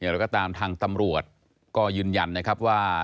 เราก็ตามทางตำรวจก็ยืนยันนะครับว่า